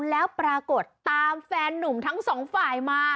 แล้วปรากฏตามแฟนหนุ่มทั้งสองฝ่ายมา